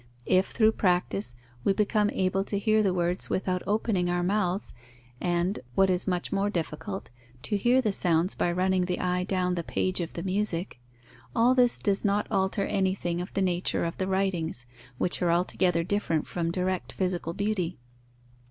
If, through practice, we become able to hear the words without opening our mouths and (what is much more difficult) to hear the sounds by running the eye down the page of the music, all this does not alter anything of the nature of the writings, which are altogether different from direct physical beauty.